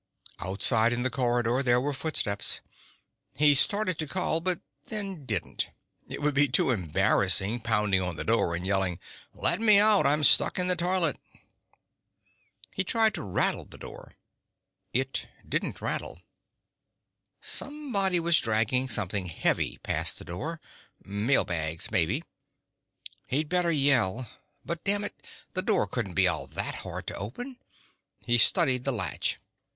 Outside in the corridor there were footsteps. He started to call, but then didn't. It would be too embarrassing, pounding on the door and yelling, "Let me out! I'm stuck in the toilet ..." He tried to rattle the door. It didn't rattle. Somebody was dragging something heavy past the door. Mail bags, maybe. He'd better yell. But dammit, the door couldn't be all that hard to open. He studied the latch.